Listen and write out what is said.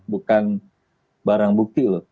bukan barang bukti loh